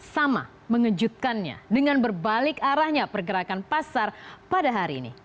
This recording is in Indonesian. sama mengejutkannya dengan berbalik arahnya pergerakan pasar pada hari ini